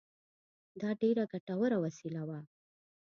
دا ډېره ګټوره وسیله وه